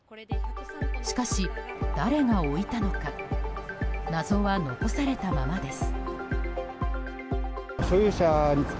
しかし、誰が置いたのか謎は残されたままです。